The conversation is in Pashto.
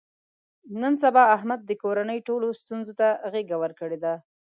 نن سبا احمد د کورنۍ ټولو ستونزو ته غېږه ورکړې ده.